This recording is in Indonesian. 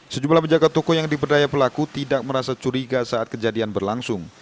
sejumlah penjaga toko yang diperdaya pelaku tidak merasa curiga saat kejadian berlangsung